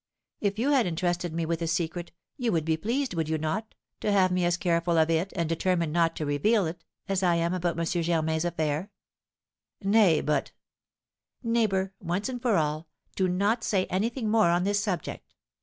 If you had entrusted me with a secret, you would be pleased, would you not, to have me as careful of it, and determined not to reveal it, as I am about M. Germain's affair?" "Nay, but " "Neighbour, once and for all, do not say anything more on this subject.